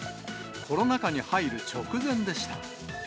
コロナ禍に入る直前でした。